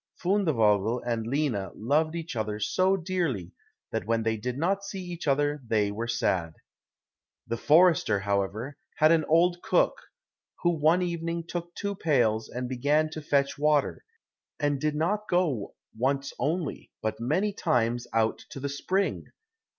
Fundevogel and Lina loved each other so dearly that when they did not see each other they were sad. The forester, however, had an old cook, who one evening took two pails and began to fetch water, and did not go once only, but many times, out to the spring.